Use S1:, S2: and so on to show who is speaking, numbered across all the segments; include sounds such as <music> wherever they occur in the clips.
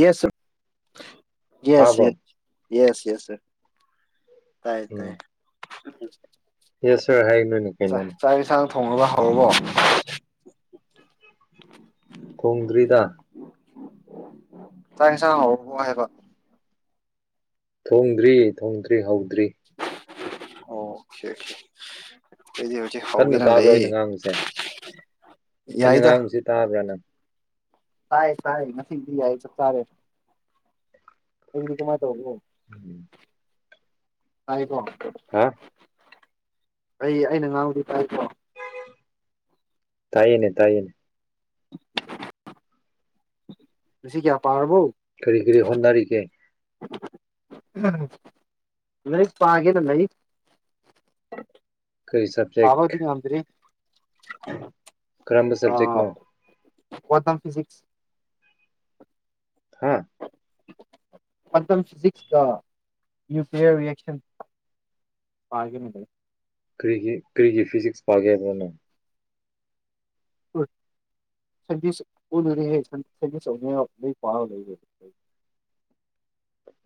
S1: yes yes
S2: ꯇꯥꯕ꯭ꯔꯣ
S1: yes yes ꯁꯦ ꯇꯥꯏ ꯇꯥꯏ ꯎ
S2: ꯌꯦꯁꯔ ꯍꯥꯏꯅꯣꯏꯅ ꯀꯥꯏꯃꯅ
S1: ꯊꯣꯉꯒ ꯍꯧꯔꯕꯣ
S2: ꯈꯣꯡꯗ꯭ꯔꯤꯗ
S1: ꯇꯥꯡꯁꯥꯡ ꯍꯥꯏꯦꯕ
S2: ꯊꯣꯡꯗ꯭ꯔꯤ ꯊꯣꯡꯗ꯭ꯔꯤ ꯍꯧ ꯇꯔꯤ
S1: ꯑꯣꯦ
S2: ꯀꯟꯅ ꯇꯥꯕ꯭ꯔꯣ ꯑꯩꯅ ꯉꯥꯡꯨꯁꯦ ꯑꯩꯅ ꯉꯥꯡꯕꯁꯤ ꯇꯥꯕ꯭ꯔꯥꯅꯪ
S1: ꯁꯥꯏ ꯁꯥꯏꯗꯤ ꯌꯥ ꯆ ꯆꯥꯔꯦꯗꯤ ꯀꯃꯥꯏ ꯇ
S2: ꯎꯝ
S1: ꯇꯥꯏꯀꯣ
S2: ꯍꯥ
S1: ꯑꯩ ꯑꯩꯅ ꯉꯥꯡꯗꯤ
S2: ꯇꯥꯏꯌꯦꯅꯦ ꯇꯥꯏꯌꯦꯅꯦ
S1: ꯁꯤ ꯀꯌꯥ ꯄꯥꯔꯔꯕꯧ
S2: ꯀꯔꯤ ꯀꯔꯤ ꯍꯣꯠꯅꯔꯤꯒꯦ
S1: ꯂꯩ ꯄꯥꯒꯦꯗ ꯂꯩ
S2: ꯀꯔꯤ ꯁꯕꯖꯦꯛ
S1: ꯄꯥꯕꯗꯤ ꯉꯝꯗ꯭ꯔꯤ
S2: ꯀꯔꯝꯕ ꯁꯕꯖꯦꯛꯇꯅꯣ
S1: ꯋꯥꯊꯝ ꯐꯤꯖꯤꯛꯁ
S2: ꯍꯥꯥ
S1: ꯄꯊ ꯐꯖꯤꯁ ꯅꯌꯨꯂꯤꯌꯥꯌꯔꯔꯤꯌꯦꯛꯁꯟ ꯃꯥꯔꯒꯦ
S2: ꯀꯔꯤꯒꯤ ꯀꯔꯤꯒꯤ ꯐꯤꯖꯤꯛꯁ ꯄꯥꯒꯦꯗꯅꯣ
S1: ꯁꯟꯗꯤꯁ ꯎꯟꯁ ꯄ ꯂꯩ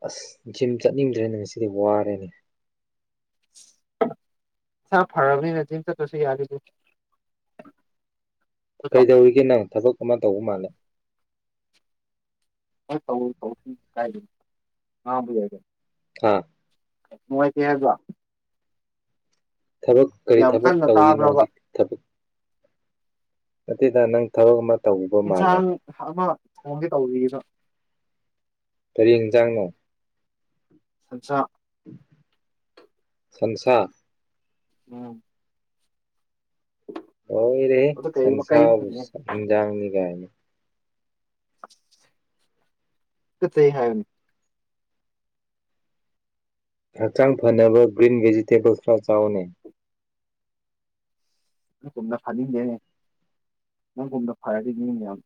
S2: ꯑꯁ ꯖꯤꯝ ꯆꯠꯅꯤꯡꯗ꯭ꯔꯦꯅꯦ ꯉꯁꯤꯗꯤ ꯋꯥꯔꯦꯅꯦ
S1: ꯁꯥ ꯐꯔꯕꯅꯤ ꯅꯖꯤꯝ ꯆ ꯇꯁꯨ ꯌꯥꯗꯗ
S2: ꯀꯩꯗꯧꯏꯒꯦ ꯅꯪ ꯊꯕꯛ ꯑꯃ ꯇꯧꯕ ꯃꯥꯥꯟꯂ
S1: ꯀꯥꯏ
S2: ꯑꯥ
S1: ꯅꯨꯡꯉꯥꯏꯇꯦ ꯍꯥꯏꯕ
S2: ꯊꯕꯛ ꯀꯔꯤ ꯊꯕꯛ
S1: ꯀꯟꯅ
S2: ꯇꯧꯔꯤꯅꯣ
S1: ꯇꯥꯕ꯭ꯔꯕ
S2: ꯍꯧꯖꯤꯛ ꯊꯕꯛ ꯃꯗ ꯅꯪ ꯊꯒ ꯃ
S1: ꯏꯟꯁꯥꯡ ꯑꯃ ꯊꯣꯡꯒꯦ ꯇꯧꯕ
S2: ꯇꯔꯦꯠ ꯏꯟꯁꯥꯡꯅꯣ
S1: ꯑꯆꯥꯆꯥ
S2: ꯁꯪꯁꯥ
S1: ꯑ
S2: ꯑꯣꯔꯦꯍꯦ
S1: ꯑꯗꯨ ꯀꯩ ꯀꯩ ꯑꯃ
S2: ꯁꯟꯁꯥꯕꯨ
S1: ꯍꯪꯉꯦ
S2: ꯏꯖꯥꯡꯅꯤ ꯀꯥꯏꯅꯤ
S1: <unintelligible> ꯆꯂꯦ ꯍꯥꯏꯅꯤ
S2: ꯍꯛꯆꯥꯡ ꯐꯅꯕ ꯒ꯭ꯔꯤꯟ ꯚꯦꯖꯤꯇꯦꯕꯜꯁ ꯈꯔ ꯆꯥꯎꯅꯩ
S1: ꯅꯪ ꯀꯨꯝꯅ ꯐꯅꯤꯡꯗꯦꯅꯦ ꯅꯪꯒꯨꯝꯅ ꯐꯔꯗꯤꯅꯤꯅꯦ ꯌꯥꯝ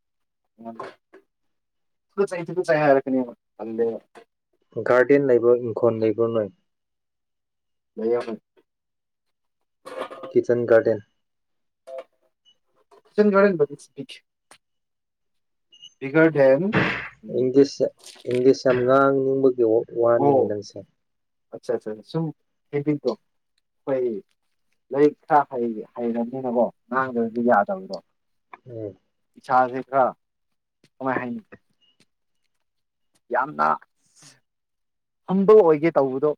S1: ꯊꯨ ꯆꯩ ꯊꯨ ꯆꯩꯩ ꯍꯥꯏꯔꯛꯀꯅꯤ ꯌꯥꯝ ꯈꯜꯂꯦ
S2: ꯏꯟꯀꯣꯟ ꯂꯩꯕꯥꯔꯣꯏ ꯅꯣꯏ
S1: ꯂꯩꯌꯦ
S2: ꯀꯤꯆꯟ ꯒꯥꯔꯗꯦꯟ
S1: <unintelligible> ꯎꯝ
S2: ꯏꯟꯗꯤꯁ ꯏꯟꯗꯤꯁ ꯉꯥꯡ ꯅꯤꯡꯤꯡꯕꯨꯑꯣ
S1: ꯑꯣ
S2: ꯋꯥꯅꯤꯅ ꯅꯪꯁꯦ
S1: ꯑꯠꯆꯥ ꯑꯠꯆꯥ ꯁꯨꯝ ꯍꯦꯕꯤꯠꯇꯣ ꯑꯩꯈꯣꯏ ꯂꯥꯏꯔꯤꯛ ꯈꯔ ꯍꯩꯔꯕꯅꯤꯅꯀꯣ ꯉꯥꯡꯗꯕꯗꯤ ꯌꯥꯗꯕꯗꯣ
S2: ꯎꯝ
S1: ꯏꯁꯥꯁ ꯈꯔ ꯀꯃꯥꯏ ꯍꯥꯏꯅꯤ ꯌꯥꯝꯅ ꯍꯝꯕ ꯑꯣꯏꯒꯦ ꯇꯧꯕꯗꯣ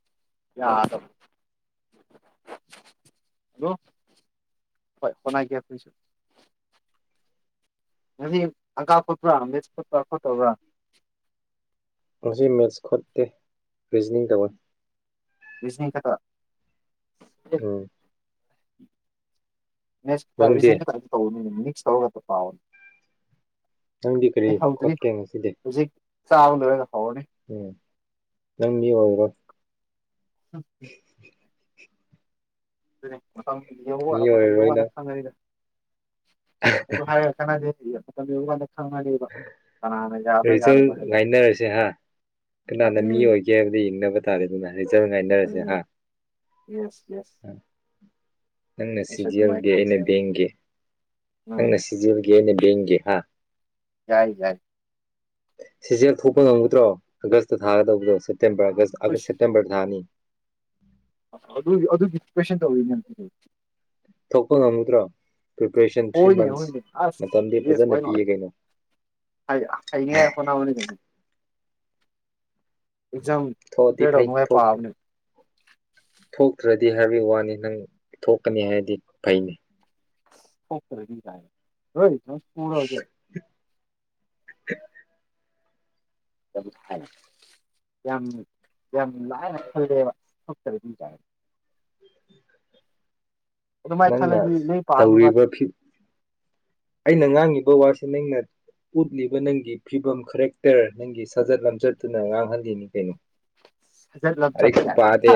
S1: ꯌꯥꯗꯕ ꯍꯂꯣ ꯍꯣꯏ ꯍꯣꯠꯅꯒꯦ ꯑꯩꯈꯣꯏꯁꯨ ꯑꯗꯨꯗꯤ ꯑꯒꯥ ꯐꯣꯠꯄ꯭ꯔꯥ ꯃꯤ ꯈꯠꯇ꯭ꯔꯥ ꯈꯣꯠꯇꯕ꯭ꯔꯥ
S2: ꯃꯁꯤ ꯃꯦꯠꯁ ꯈꯣꯠꯇꯦ ꯔꯤꯖꯅꯤꯡ ꯇꯧꯋꯤ
S1: ꯁꯅ ꯈꯇ
S2: ꯎꯝ
S1: <unintelligible>
S2: ꯅꯪꯗꯤ
S1: ꯁꯠꯇ ꯄꯥꯎꯅꯤ
S2: ꯅꯪꯗꯤ ꯀꯔꯤ ꯈꯣꯠꯀꯦ ꯉꯁꯤꯗꯤ
S1: ꯆꯥꯕꯥ ꯂꯣꯏꯔꯒ ꯍꯧꯔꯅꯤ
S2: ꯎꯝ ꯅꯪ ꯌꯒ꯭ꯔꯣ
S1: ꯑꯦ ꯑꯗꯨꯅꯤ ꯃꯇꯝ
S2: ꯃꯤ
S1: ꯌ
S2: ꯑꯣꯏꯔꯔꯣꯏ
S1: ꯍꯥꯏꯅ
S2: ꯅꯪ
S1: ꯈꯪꯉꯅꯤꯗ ꯑꯗꯨ ꯍꯨꯔꯥ ꯀꯅꯥꯅꯣꯏ ꯑꯗꯕ ꯋꯥ ꯍꯗ
S2: ꯔꯤꯖꯜ
S1: ꯌꯥꯗꯕ꯭ꯔꯥ ꯍꯥꯏꯕꯗꯣ
S2: ꯉꯥꯏꯅꯔꯁꯦ ꯍꯥ ꯀꯅꯥꯅ
S1: ꯑꯗꯨꯅꯤ
S2: ꯃꯤ ꯑꯣꯏꯒꯦ ꯍꯥꯏꯕꯗ ꯌꯦꯡꯅꯕ ꯇꯥꯔꯦ ꯑꯗꯨꯅ ꯔꯤꯖꯜ ꯉꯥꯏꯅꯔꯁꯦ
S1: ꯑꯗꯨꯅ
S2: ꯍꯥ
S1: ꯌꯦꯁ ꯌꯦꯁ
S2: ꯅꯪꯅ
S1: ꯑꯩꯁꯨ ꯑꯗꯨꯃꯥꯏꯅ
S2: ꯁꯤꯖꯤꯦꯜꯒꯤ ꯑꯩꯅ
S1: ꯈꯜꯂꯦꯕ
S2: ꯕꯦꯡꯒꯦ ꯅꯪ
S1: ꯎꯝ
S2: ꯁꯤꯖꯤ ꯂ ꯑꯩ ꯒꯤꯅꯦꯕꯒꯤ ꯍꯥ
S1: ꯌꯥꯏ ꯌꯥꯏ
S2: ꯁꯤ ꯖꯤ ꯂ ꯊꯣꯛꯄ ꯉꯝꯒꯗ꯭ꯔꯣ ꯑ ꯊꯥꯒ ꯇꯧꯕꯗꯣꯁꯦ ꯁꯦꯇꯦꯝꯔꯒ ꯁꯦꯞꯇꯦꯝꯕꯔꯗꯅꯤ
S1: ꯑꯗꯨ ꯑꯗꯨꯒꯤ ꯄꯦꯁꯟ ꯇꯧꯔꯤꯅꯦ
S2: ꯊꯛꯄ ꯉꯃꯨꯗ꯭ꯔꯥ
S1: ꯍꯅꯦ ꯍꯅꯦ ꯑꯁ ꯌꯦꯁ
S2: ꯐꯖꯅ
S1: ꯍꯅ
S2: ꯄꯤꯌꯦ ꯀꯩꯅꯣ
S1: ꯍ ꯍꯥꯏꯅꯤ ꯈꯨꯅꯕꯅꯤ ꯑꯦꯖꯝ
S2: ꯊꯣꯛꯑꯗꯤ
S1: ꯄꯦꯔꯣ
S2: ꯐꯩ
S1: ꯃꯦ ꯄꯥꯕꯅꯦ
S2: ꯔ꯭ꯔꯗꯤ ꯍꯥꯏꯕꯒꯤ ꯋꯥꯅꯤ ꯅꯪ ꯊꯣꯛꯀꯅꯤ ꯍꯥꯏꯕꯗꯤ ꯐꯩꯅꯤ
S1: ꯍ ꯍꯣꯏ ꯀꯀꯨꯜꯖꯦ
S2: <unintelligible>
S1: ꯌꯥꯝ ꯍꯥꯏ ꯌꯥꯝ ꯌꯥꯝ ꯂꯥꯏꯅ ꯈꯜꯂꯦꯕ ꯊꯣꯛꯇꯕ ꯑꯗꯨꯝ ꯑꯗꯨꯃꯥꯏꯅ
S2: ꯅꯪꯅ
S1: ꯈꯜꯂꯗꯤ ꯂꯥꯏꯔꯤꯛ ꯄꯥꯅꯨꯕ
S2: ꯇꯧꯔꯤꯕ ꯐꯤ ꯑꯩꯅ ꯉꯥꯡꯉꯤꯕ ꯋꯥꯁꯦ ꯅꯪꯅ ꯎꯠꯂꯤꯕ ꯅꯪꯒꯤ ꯐꯤꯕꯝ ꯈꯔꯦꯛꯇꯔ ꯅꯪꯒꯤ ꯁꯥꯖꯠ ꯂꯝꯆꯠꯇꯨꯅ ꯉꯥꯡꯍꯜꯂꯤꯅꯤ ꯀꯩꯅꯣ
S1: ꯍꯖ ꯂ ꯆꯠ
S2: ꯂꯥꯏꯔꯤꯛꯁꯨ
S1: ꯀꯥꯏ
S2: ꯄꯥꯗꯦ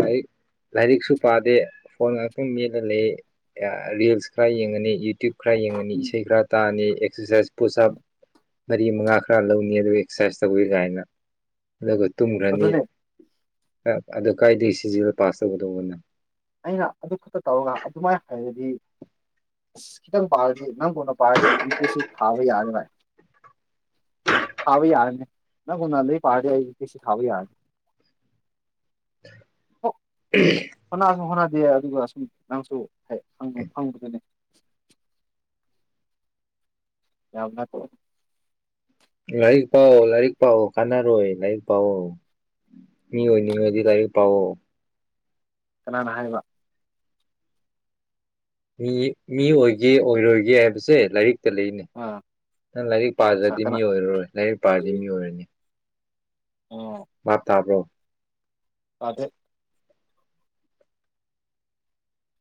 S2: ꯂꯥꯏꯔꯤꯛ ꯂꯥꯏꯔꯤꯛꯁꯨ ꯄꯥꯗꯦ ꯐꯣꯟ ꯉꯥꯛꯇꯪ ꯃꯦꯜꯂ ꯂꯩ ꯔꯤꯜꯁ ꯈꯔ ꯌꯦꯡꯉꯅꯤ ꯌꯨꯇ ꯌꯇꯌꯨꯕ ꯈꯔ ꯌꯦꯡꯉꯅꯤ
S1: ꯎꯝ
S2: ꯏꯁꯩ ꯈꯔ ꯇꯥꯔꯅꯤ ꯑꯦꯛꯁꯔꯁꯥꯏꯁ ꯄꯨꯁ ꯃꯔꯤ ꯃꯉꯥ ꯈꯔ ꯂꯧꯅꯤ ꯑꯗꯨꯒ ꯑꯦꯛꯁꯔꯁꯥꯏꯁ ꯇꯧꯕꯤ ꯀꯥꯏꯅ ꯑꯗꯨꯒ ꯇꯨꯝꯈ꯭ꯔꯅꯤ
S1: ꯑꯗꯨꯅꯦ
S2: ꯑꯗꯨ ꯀꯥꯏꯗ ꯁꯤꯖꯤ ꯄꯥꯁ ꯇꯧꯒꯗꯧꯕꯅꯣ
S1: ꯑꯩꯅ ꯑꯗꯨ ꯈꯛꯇ ꯇꯧꯔꯒ ꯑꯗꯨꯃꯥꯏꯅ ꯍꯥꯏꯔꯗꯤ ꯑꯁ ꯈꯤꯇꯪ ꯄꯥꯔꯗꯤ ꯅꯪꯒꯣꯟꯅ ꯄꯥꯔꯗꯤ ꯅꯨꯄꯤꯦꯁꯤ ꯊꯥꯕ ꯌꯥꯔꯅꯤ ꯚꯥꯏ ꯊꯥꯕ ꯌꯥꯔꯅꯤ ꯅꯪꯒꯣꯟꯅ ꯑꯗꯨ ꯄꯥꯔꯗꯤ ꯑꯩ ꯅꯨꯄꯤꯦꯁꯤ ꯊꯥꯕ ꯌꯥꯔꯅꯤ
S2: ꯎꯝ
S1: ꯍꯣꯠꯅꯁꯨ ꯍꯣꯠꯅꯗꯦ ꯑꯗꯨꯒ ꯁꯨꯝ ꯅꯪꯁꯨ ꯍꯪ ꯐꯪꯕꯗꯨꯅꯦ ꯌꯥ
S2: ꯂꯥꯏꯔꯤꯛ ꯄꯥꯛꯑꯣ ꯂꯥꯏꯔꯤꯛ ꯄꯥꯛꯑꯣ ꯀꯥꯟꯅꯔꯣꯏ ꯂꯥꯏꯔꯤꯛ ꯄꯥꯑꯣ ꯃꯤ ꯑꯣꯏꯅꯤꯡꯉꯗꯤ ꯂꯥꯏꯔꯤꯛ ꯄꯥꯛꯑꯣ
S1: ꯀꯅꯥꯅ ꯍꯥꯏꯕ
S2: ꯃꯤ ꯃꯤ ꯑꯣꯏꯒꯦ ꯑꯣꯏꯔꯣꯏꯒꯦ ꯍꯥꯏꯕꯁꯦ ꯂꯥꯏꯔꯤꯛ ꯂꯩꯅꯦ
S1: ꯑꯥ
S2: ꯅꯪ ꯂꯥꯏꯔꯤꯛ
S1: ꯁꯥꯔ
S2: ꯄꯥꯗ꯭ꯔꯗꯤ ꯃꯤ
S1: ꯀꯅꯥ
S2: ꯑꯣꯏꯔꯔꯣꯏ ꯂꯥꯏꯔꯤꯛ ꯄꯥꯔꯗꯤ ꯃꯤ ꯑꯣꯏꯔꯅꯤ ꯃꯥꯞ ꯇꯥꯕ꯭ꯔꯣ
S1: ꯑꯗ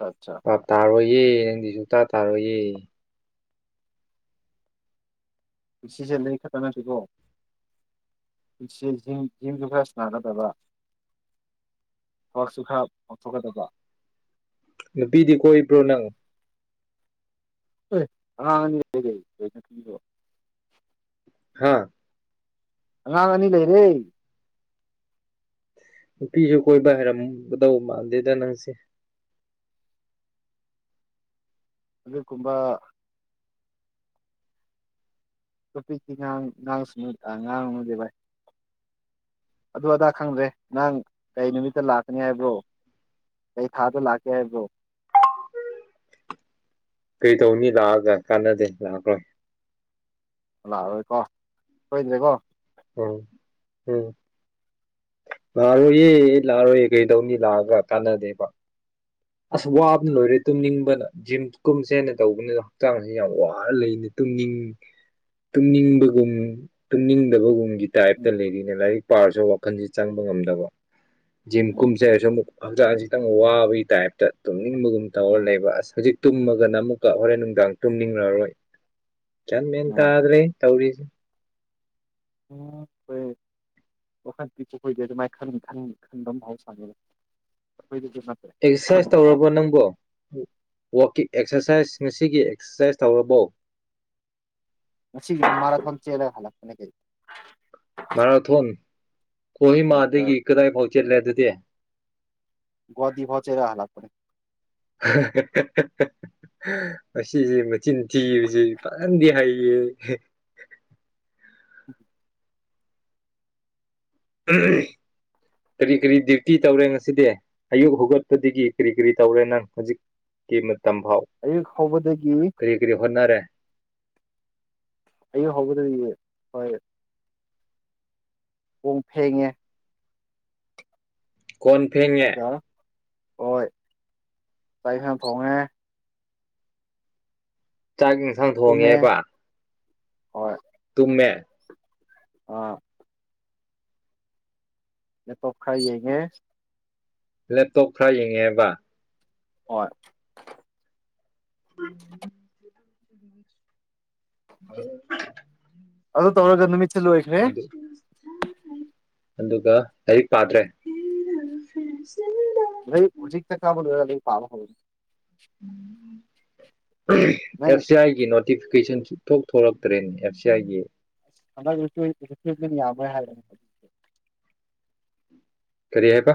S1: ꯑꯠꯆꯥ ꯑꯠꯆꯥ
S2: ꯑ ꯇꯥꯔ ꯑꯣꯏ ꯑꯦ ꯅꯪꯗꯤ ꯁꯨꯇꯥꯥ ꯇꯥꯔꯣꯏꯌꯦ
S1: ꯄꯨꯟꯁꯤꯁꯦ ꯂꯩ ꯈꯛꯇ ꯅꯠꯇꯀꯣ ꯄꯨꯟꯁꯤꯦ ꯤꯡꯁꯨ ꯈꯔ ꯁꯅꯥꯒꯗꯕ ꯊꯕꯛꯁꯨ ꯈꯔ ꯄꯥꯡꯊꯣꯛꯀꯗꯕ
S2: ꯅꯨꯄꯤꯗꯤ ꯀꯣꯏꯕ꯭ꯔꯣ ꯅꯪ
S1: ꯑꯥ
S2: ꯍꯥꯥ
S1: ꯑꯉꯥꯡ ꯑꯅꯤ ꯂꯩꯔꯦ
S2: ꯅꯨꯄꯤꯁꯨ ꯀꯣꯏꯕ ꯍꯩꯔꯝꯒꯗꯧ ꯃꯥꯟꯗꯦꯗ ꯅꯪꯁꯦ
S1: ꯑꯗꯨ ꯀꯨꯝꯕꯥ ꯅꯨꯄꯤꯀꯤ ꯉꯥꯡ ꯉꯥꯡꯁꯅꯨ ꯇ ꯉꯥꯡꯉꫭꯏꯁꯦ ꯚꯥꯏ ꯑꯗꯨ ꯑꯗꯥ ꯈꯪꯗ꯭ꯔꯦ ꯅꯪ ꯀꯩ ꯅꯨꯃꯤꯠꯇ ꯂꯥꯛꯀꯅꯤ ꯍꯥꯏꯕ꯭ꯔꯣ ꯀꯩ ꯊꯥꯗ ꯂꯥꯛꯀꯦ ꯍꯥꯏꯕ꯭ꯔꯣ
S2: ꯀꯩꯗꯧꯅꯤ ꯂꯥꯛꯑꯒ ꯀꯥꯟꯅꯗꯦ ꯂꯥꯛꯈ꯭ꯔꯣꯏ
S1: ꯂꯥꯛꯑꯔꫭꯏꯀꯣ ꯁꫭꯏꯗ꯭ꯔꯦꯀꯣ
S2: ꯎꯝ ꯎꯝ ꯂꯥꯛꯔꯣꯏꯌꯦ ꯂꯥꯛꯔꯣꯏꯌꯦ ꯀꯩꯗꯧꯅꯤ ꯂꯥꯛꯑꯒ ꯀꯥꯟꯅꯗꯦꯕ ꯑꯁ ꯋꯥꯕꯅ
S1: ꯎꯝ
S2: ꯂꯣꯏꯔꯦ ꯇꯨꯝꯅꯤꯡꯕꯅ ꯖꯤꯝ ꯀꯨꯝꯁꯦꯅ ꯇꯧꯕꯅꯤꯅꯦ ꯗꫭ ꯍꯛꯆꯥꯡꯁꯦ ꯌꯥꯝ ꯋꯥꯔ ꯂꯩꯅꯤ ꯇꯨꯝꯅꯤꯡ ꯇꯨꯝꯅꯤꯡꯕꯒꯨꯝ ꯇꯨꯝꯅꯤꯡꯗꯕꯒꯨꯝꯒꯤ
S1: ꯎꯝ
S2: ꯇꯥꯏꯞꯇ ꯂꯩꯔꯤꯅꯦ ꯂꯥꯏꯔꯤꯛ ꯄꯥꯔꯁꯨ ꯋꯥꯈꯟꯁꯤ ꯆꯪꯕ ꯉꯝꯗꯕ ꯖꯤꯝ
S1: ꯎꯝ
S2: ꯀꯨꯝꯁꯦ ꯍꯥꯏꯔꯁꯨ ꯑꯃꯨꯛ ꯍꯛꯆꯥꯡꯖꯤ ꯇꯪ ꯋꯥꯕꯒꯤ ꯇꯥꯏꯞ ꯇ ꯇꯨꯝ ꯏꯪꯕꯒꯨꯝ ꯇꯧꯔ
S1: ꯎꯝ
S2: ꯂꯩꯕ ꯑꯁ ꯍꯧꯖꯤꯛ ꯇꯨꯝꯃꯒꯅ ꯑꯃꯨꯛꯀ ꯍꯣꯔꯦꯟ ꯅꯨꯡꯗꯥꯡ ꯇꯨꯝꯅꯤꯡꯉꯔꯣꯏ ꯒ꯭ꯌꯥꯟ ꯃꯦꯟ
S1: ꯎꯝ
S2: ꯇꯥꯗ꯭ꯔꯦꯍꯦ ꯇꯧꯔꯤꯁꯦ
S1: ꯎꯝ ꯍꯣꯏ ꯋꯥꯈꯜ ꯄꯤꯛꯄ ꯃꯈꯣꯏꯗꯤ ꯑꯗꯨꯃꯥꯏꯅ ꯈꯟꯕ ꯃꯍꯧꯁꯥꯅꯦ
S2: ꯑꯦꯛꯁꯔꯁꯥꯏꯁ ꯇꯧꯔꯕꯣ ꯅꯪꯕꯣ ꯋꯥꯛꯀꯤ ꯑꯦꯛꯁꯔꯁꯥꯏꯁ ꯉꯁꯤꯒꯤ ꯑꯦꯛꯁꯔꯁꯥꯏꯁ ꯇꯧꯔꯕꯣ
S1: ꯉꯁꯤ ꯃꯔꯥꯊꯣꯟ ꯆꯦꯂ ꯍꯜꯂꯛꯄꯅꯦ ꯀꯩꯅꫭ
S2: ꯃꯥꯔꯥꯊꫭꯟ
S1: ꯌꯦꯁꯇꯔ
S2: ꯀꯣꯍꯤꯃꯥꯗꯒꯤ ꯀꯗꯥꯏꯐꯥꯎ ꯆꯠꯂꯦ ꯑꯗꯨꯗꯤ
S1: ꯒꯨꯍꯥꯇꯤ ꯐꯧ ꯆꯦꯜꯂ ꯍꯂꯛ ꯄꯅꯦ
S2: ꯃꯁꯤꯁ ꯃꯆꯤꯟ ꯊꯤꯕꯁꯤ ꯐꯖꯟꯗꯤ ꯍꯩꯌꯦ
S1: <inaudible>
S2: ꯀꯔꯤ ꯀꯔꯤ ꯗ꯭ꯌꯨꯇꯤ ꯇꯧꯔꯦ ꯉꯁꯤꯗꯤ ꯑꯌꯨꯛ ꯍꯧꯒꯠꯄꯗꯒꯤ ꯀꯔꯤ ꯀꯔꯤ ꯇꯧꯔꯦ ꯅꯪ ꯍꯧꯖꯤꯛꯀꯤ ꯇꯝꯐꯥꯎ
S1: ꯑꯌꯨꯛ ꯍꯧꯕꯗꯒꯤ
S2: ꯀꯔꯤ ꯀꯔꯤ ꯍꯣꯠꯅꯔꯦ
S1: ꯑꯌꯨꯛ ꯍꯧꯕꯗꯒꯤ ꯍꯣꯏ ꯄꯣꯡ ꯐꯦꯡꯉꯦ
S2: ꯀꯣꯟ ꯐꯦꯡꯉꯦ
S1: ꯑꯗꯨꯒ ꯍꯣꯏ ꯆꯥꯛ ꯏꯁꯥꯡ ꯊꯣꯡꯉꯦ
S2: ꯆꯥꯛ ꯏꯟꯁꯥꯡ
S1: ꯇꯨꯝꯃꯦ
S2: ꯊꯣꯡꯉꯦꯕ
S1: ꯍꯣꯏ
S2: ꯇꯨꯝꯃꯦ
S1: ꯑ ꯂꯦꯞꯇꯣꯞ ꯈꯔ ꯌꯦꯡꯉꯦ
S2: ꯂꯦꯞꯇꯣꯞ ꯈꯔ ꯌꯦꯡꯉꯦꯕ
S1: ꯍꫭꯏ
S2: <inaudible>
S1: ꯑꯗꯣ ꯇꯧꯔꯒ ꯅꯨꯃꯤꯠ ꯇ ꯂꯣꯏꯈ꯭ꯔꯦ
S2: ꯑꯗꯨ ꯑꯗꯨꯒ ꯂꯥꯏꯔꯤꯛ ꯄꯥꯗ꯭ꯔꯦ
S1: ꯍꯧꯖꯤꯛ ꯀ <unintelligible> ꯄꯥꯕ
S2: ꯎꯝ <unintelligible> ꯑꯦꯐ
S1: ꯅꯪ
S2: ꯁꯤ ꯑꯥꯏꯒꯤ ꯅꯣꯇꯤꯐꯤꯀꯦꯁꯟ ꯊꯣꯛ ꯊꯣꯛꯂꯛꯇ꯭ꯔꯦ ꯑꯦꯞ ꯁꯤ ꯑꯥꯏꯒꯤ
S1: <unintelligible> ꯌꯥꯕ ꯍꯥꯏꯕꯅꯦ
S2: ꯀꯔꯤ ꯍꯥꯏ ꯕ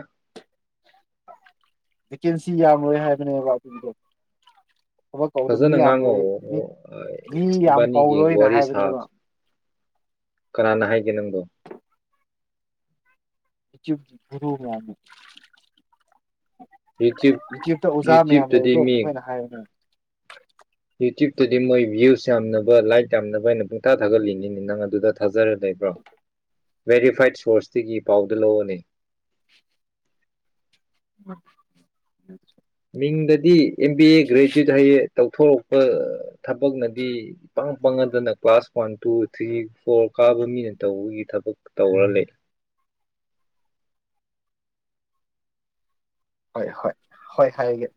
S1: ꯚꯦꯀꯦꯟꯁꯤ ꯌꯥꯝꯑꯣꯏ ꯍꯥꯏꯕꯅꯦꯕ ꯊꯕꯛ ꯀꯧꯕꯧꯗꯣ ꯃꯤ
S2: ꯐꯖꯅ ꯉꯥꯡꯉꯣ
S1: ꯌꯥꯝꯔꯣꯏ ꯃꯤ ꯃꯤ ꯌꯥꯝ
S2: ꯏꯕꯥꯅꯤꯒꯤ
S1: ꯀꯧꯔꯣꯏꯅ
S2: ꯋꯥꯔꯤ ꯁꯥ
S1: ꯍꯥꯏꯕꯅꯦꯕ
S2: ꯀꯅꯥꯅ ꯍꯥꯏꯒꯦ ꯅꯪꯕꯣ
S1: ꯆ ꯨꯞ <unintelligible>
S2: ꯌꯨꯇ꯭ꯌꯨꯕ
S1: ꯃꯌꯥꯝ
S2: ꯌꯨꯇ꯭ꯌꯨꯞꯅꯗꯤ
S1: ꯂꯩꯕꯗꯣ
S2: ꯃꯤ
S1: ꯃꯈꯣꯏꯅ ꯍꯥꯏꯕꯅꯦ
S2: ꯌꯨꯇ꯭ꯌꯨꯞ ꯑꯗꯨꯗꯤ ꯃꯣꯏ ꯚ꯭ꯌꯨꯁ ꯌꯥꯝꯅꯕ ꯂꯥꯏꯠ ꯌꯥꯝꯅꯕ ꯑꯩꯅ ꯄꯨꯡꯇꯥ ꯊꯥꯒꯠꯂꯤꯅꯤꯅꯤ ꯅꯪ ꯑꯗꯨꯗ ꯊꯥꯖꯔ ꯂꯩꯕ꯭ꯔꯣ ꯕꯦꯔꯤꯐꯥꯏꯠ ꯁꯣꯔꯁꯇꯒꯤ ꯄꯥꯎꯗ ꯂꯧꯑꯣꯅꯦ
S1: <unintelligible>
S2: ꯃꯤꯡꯗꯗꯤ ꯑꯦꯝ ꯕꯤ ꯑꯦ ꯒ꯭ꯔꯦꯖꯨꯋꯦꯠ ꯍꯌꯦ ꯇꯧꯊꯣꯔꯛꯄ ꯊꯕꯛꯅꯗꯤ ꯄꯪ ꯄꯪꯉꯗꯅ class one two three four ꯀꯥꯕ ꯃꯤꯅ ꯇꯧꯕꯒꯤ ꯊꯕꯛ ꯇꯧꯔ ꯂꯩ
S1: ꯍꯣꯏ ꯍꯣꯏ ꯍꯣꯏ ꯍꯥꯏꯔꯒꯦ